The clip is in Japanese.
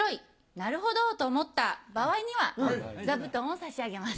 「なるほど！」と思った場合には座布団を差し上げます。